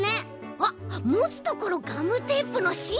あっもつところガムテープのしんだよね？